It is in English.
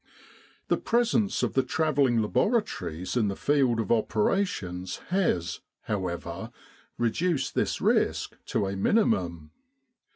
The presence of the travelling laboratories in the field of operations has, however, reduced this risk to a minimum.